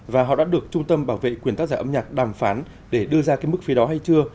và họ đã được trung tâm bảo vệ quyền tác giả âm nhạc đàm phán để đưa ra cái mức phí đó hay chưa